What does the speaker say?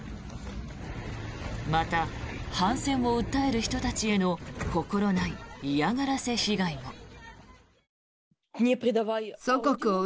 また、反戦を訴える人たちへの心ない嫌がらせ被害も。